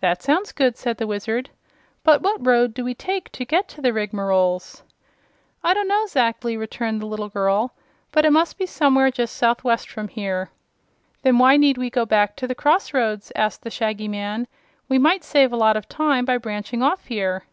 "That sounds good," said the Wizard. "But what road do we take to get to the Rigmaroles?" "I don't know, 'zactly," returned the little girl; "but it must be somewhere just southwest from here." "Then why need we go way back to the crossroads?" asked the Shaggy Man. "We might save a lot of time by branching off here."